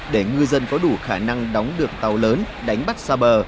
để ngư dân có đủ khả năng đóng được tàu lớn đánh bắt xa bờ